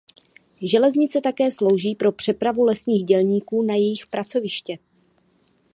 Železnice také slouží pro přepravu lesních dělníků na jejich pracoviště.